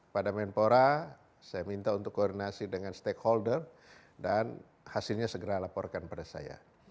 pada menpora saya minta untuk koordinasi dengan stakeholder dan hasilnya segera laporkan pada saya